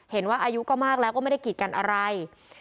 อายุก็มากแล้วก็ไม่ได้กีดกันอะไร